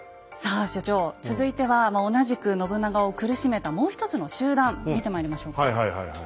さあ所長続いては同じく信長を苦しめたもうひとつの集団見てまいりましょうか。